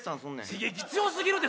刺激強すぎるって！